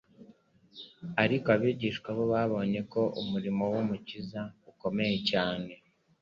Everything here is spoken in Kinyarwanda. ariko abigishwa bo babonye ko umurimo w'Umukiza ukomeye cyane